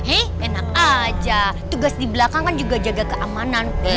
hei enak aja tugas di belakang kan juga jaga keamanan